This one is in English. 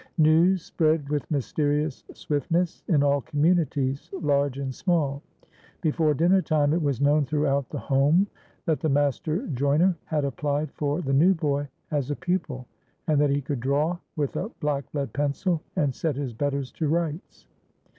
News spreads with mysterious swiftness in all communities, large and small. Before dinner time, it was known throughout the Home that the master joiner had applied for the new boy as a pupil, and that he could draw with a black lead pencil, and set his betters to rights.